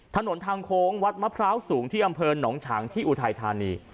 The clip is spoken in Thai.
ถนนทางโขงวัดมะพร้าวสูงที่อำเภิญหนองชังอุทัยธานี